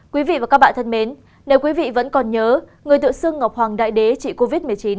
quý vị và các bạn thân mến nếu quý vị vẫn còn nhớ người tự xưng ngọc hoàng đại đế trị covid một mươi chín